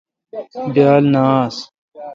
بیال نہ آس۔